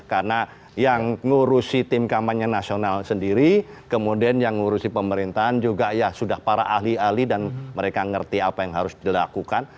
karena yang ngurusi tim kampanye nasional sendiri kemudian yang ngurusi pemerintahan juga ya sudah para ahli ahli dan mereka ngerti apa yang harus dilakukan